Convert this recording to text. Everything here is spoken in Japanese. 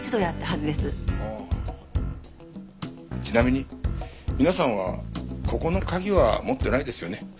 ちなみに皆さんはここの鍵は持ってないですよね？